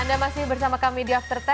anda masih bersama kami di after sepuluh